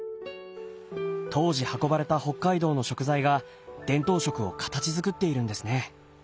当時運ばれた北海道の食材が伝統食を形づくっているんですね。